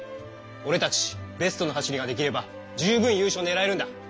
おれたちベストの走りができれば十分優勝ねらえるんだ。